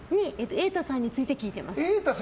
瑛太さんについて聞いています。